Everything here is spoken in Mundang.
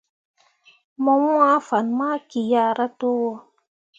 Mo wãã fan ma kiahra towo.